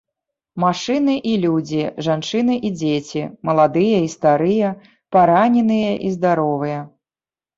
Машыны і людзі, жанчыны і дзеці, маладыя і старыя, параненыя і здаровыя.